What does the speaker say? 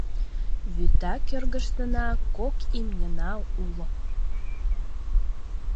Вӱта кӧргыштына кок имньына уло: